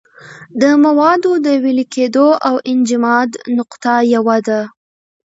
د موادو د ویلې کېدو او انجماد نقطه یوه ده.